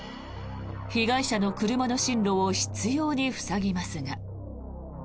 被害者の車の進路を執ように塞ぎますが。